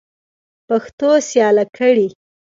پښتو سیاله کړئ.